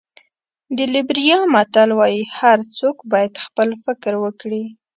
د لېبریا متل وایي هر څوک باید خپل فکر وکړي.